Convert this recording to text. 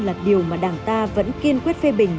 là điều mà đảng ta vẫn kiên quyết phê bình